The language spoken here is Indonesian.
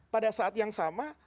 pada saat yang sama